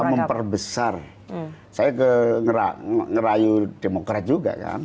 dalam rangka besar saya ngerayu demokrat juga kan